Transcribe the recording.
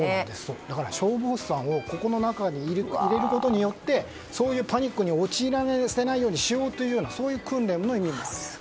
だから、消防士さんをここの中に入れることによってそういうパニックに陥らせないようにしようというそういう訓練のような。